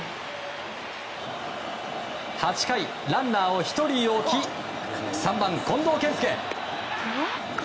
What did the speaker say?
８回、ランナーを１人置き３番、近藤健介。